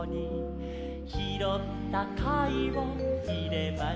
「ひろったかいをいれました」